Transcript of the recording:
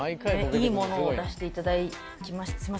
いいものを出していただきましてすいません。